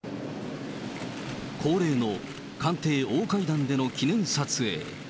恒例の官邸大階段での記念撮影。